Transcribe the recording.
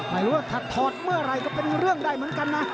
ไม่รู้ว่าถัดถอดเมื่อไหร่ก็เป็นเรื่องได้เหมือนกันนะ